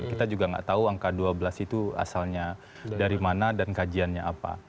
kita juga nggak tahu angka dua belas itu asalnya dari mana dan kajiannya apa